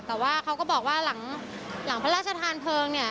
แต่ว่าเขาก็บอกว่าหลังพระราชทานเทิง